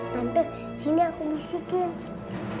tante sini aku bisikin